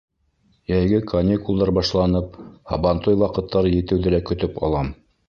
Йәйге каникулдар башланып, һабантуй ваҡыттары етеүҙе лә көтөп алам.